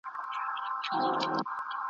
هم تر وروڼو هم خپلوانو سره ګران وه `